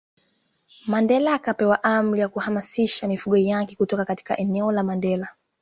Mandela akapewa amri ya kuhamisha mifugo yake kutoka katika eneo la Mandela